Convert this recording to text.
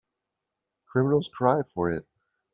Criminals cry for it.